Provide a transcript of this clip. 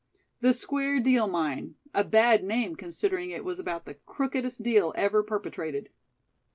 "'The Square Deal Mine'; a bad name, considering it was about the crookedest deal ever perpetrated."